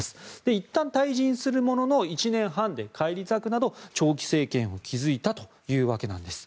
いったん退陣するものの１年半で返り咲くなど長期政権を築いたわけです。